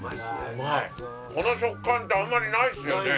この食感ってあんまりないですよね。